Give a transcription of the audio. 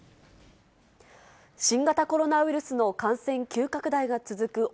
新型コロナウイルスの感染急拡大が続く